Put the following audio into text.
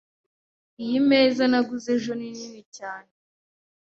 Iyi meza naguze ejo ni nini cyane. .